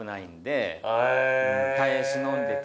耐え忍んでた。